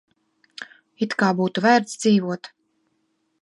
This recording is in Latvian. It kā būtu vērts dzīvot.